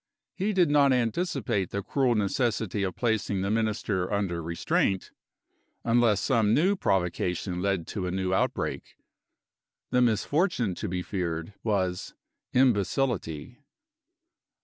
He did not anticipate the cruel necessity of placing the Minister under restraint unless some new provocation led to a new outbreak. The misfortune to be feared was imbecility.